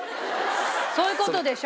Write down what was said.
そういう事でしょ？